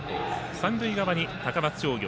三塁側に高松商業。